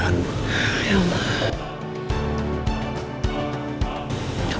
letak di tempat bahaya